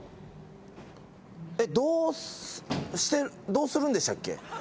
えっどうどうするんでしたっけ？